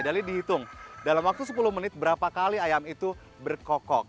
jadi dihitung dalam waktu sepuluh menit berapa kali ayam itu berkokok